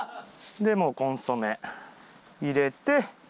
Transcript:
でもうコンソメ入れて。